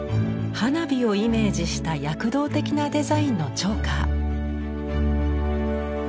花火をイメージした躍動的なデザインのチョーカー。